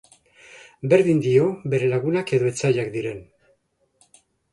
Berdin dio bere lagunak edo etsaiak diren.